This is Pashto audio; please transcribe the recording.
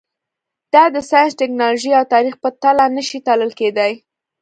دا د ساینس، ټکنالوژۍ او تاریخ په تله نه شي تلل کېدای.